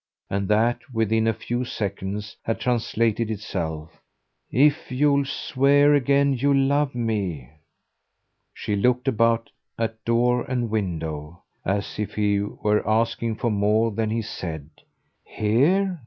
And that, within a few seconds, had translated itself. "If you'll swear again you love me !" She looked about, at door and window, as if he were asking for more than he said. "Here?